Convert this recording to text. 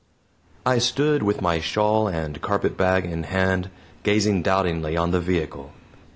I stood with my shawl and carpetbag in hand, gazing doubtingly on the vehicle.